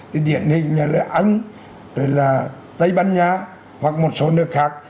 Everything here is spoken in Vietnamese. thì điển hình như là anh tây ban nha hoặc một số nước khác